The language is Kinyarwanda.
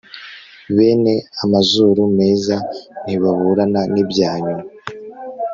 bene amazuru meza ntibaburana n'ibya nyuma